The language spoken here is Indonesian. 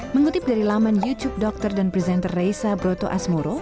mengutip dari laman youtube dokter dan presenter reysa brotoasmuro